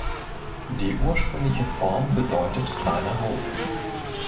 Die ursprüngliche Form bedeutet kleiner Hof.